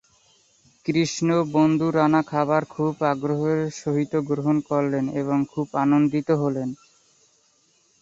কৃষ্ণ, বন্ধুর আনা খাবার খুব আগ্রহের সহিত গ্রহণ করলেন, এবং খুব আনন্দিত হলেন।